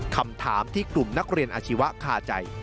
คำถามที่กลุ่มนักเรียนอาชีวะคาใจ